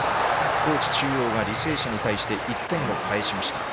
高知中央が履正社に対して１点を返しました。